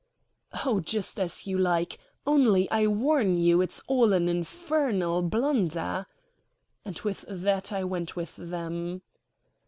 "Oh, just as you like. Only I warn you it's all an infernal blunder," and with that I went with them.